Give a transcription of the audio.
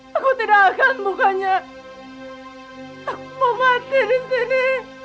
hai aku tidak akan bukanya aku mau mati rintiri